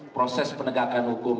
proses penegakan hukum